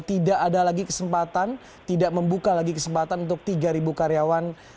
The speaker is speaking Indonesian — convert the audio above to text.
tidak ada lagi kesempatan tidak membuka lagi kesempatan untuk tiga karyawan